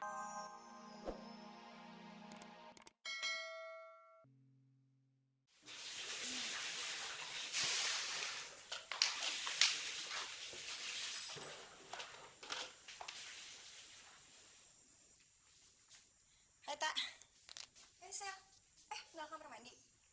eh tinggal di kamar mandi